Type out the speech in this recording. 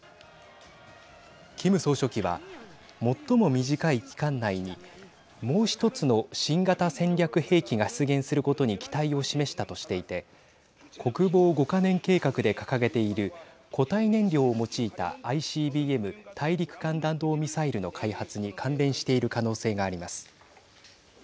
キム総書記は、最も短い期間内にもう１つの新型戦略兵器が出現することに期待を示したとしていて国防５か年計画で掲げている固体燃料を用いたＩＣＢＭ＝大陸間弾道ミサイルの開発に関連している可能性があります。